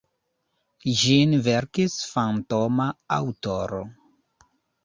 Ĝin verkis fantoma aŭtoro.